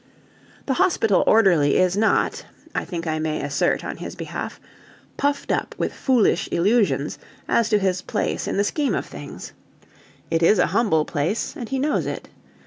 The hospital orderly is not (I think I may assert on his behalf) puffed up with foolish illusions as to his place in the scheme of things. It is a humble place, and he knows it.